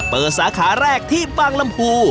สาขาแรกที่บางลำพู